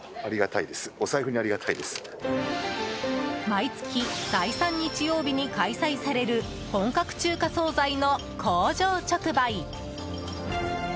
毎月第３日曜日に開催される本格中華総菜の工場直売。